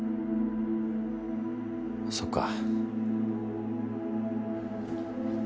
そっか。